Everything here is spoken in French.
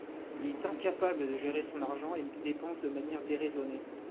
Il est incapable de gérer son argent et dépense de manière déraisonnée.